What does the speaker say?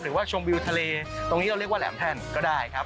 ชมวิวทะเลตรงนี้เราเรียกว่าแหลมแท่นก็ได้ครับ